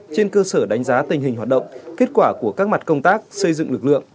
trên cơ sở đánh giá tình hình hoạt động kết quả của các mặt công tác xây dựng lực lượng